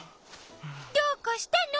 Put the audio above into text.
どうかしたの？